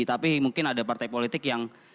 tapi mungkin ada partai politik yang